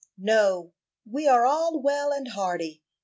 "No, we are all well and hearty.